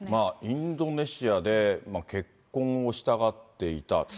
インドネシアで結婚をしたがっていた。